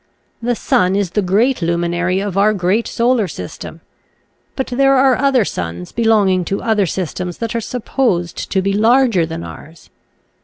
The sun is the great luminary of our great solar system, but there are other suns belonging to other systems that are supposed to be larger than ours.